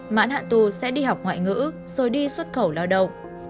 mãn hạn tu sẽ đi học ngoại ngữ rồi đi xuất khẩu lớn